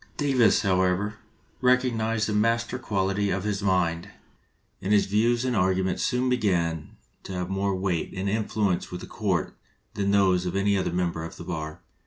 Davis, however, recognized the masterly quality of his mind, and his views and arguments soon began to have more weight and influence with the court than those of any other member of the bar.